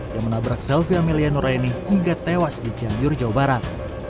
yang menabrak selvi amelia nuraini hingga tewas di cianjur jawa barat